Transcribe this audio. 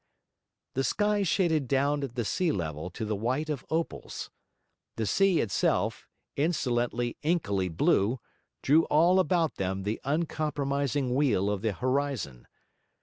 The sky shaded down at the sea level to the white of opals; the sea itself, insolently, inkily blue, drew all about them the uncompromising wheel of the horizon.